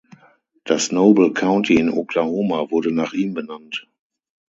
Das Noble County in Oklahoma wurde nach ihm benannt.